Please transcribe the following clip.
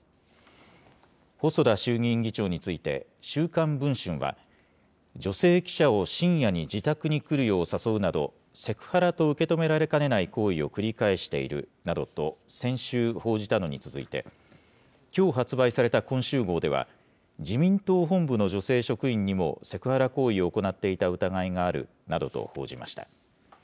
細田衆議院議長について、週刊文春は、女性記者を深夜に自宅に来るよう誘うなど、セクハラと受け止められかねない行為を繰り返しているなどと先週、報じたのに続いて、きょう発売された今週号では、自民党本部の女性職員にもセクハラ行為を行っていた疑いがあるなどと報じました。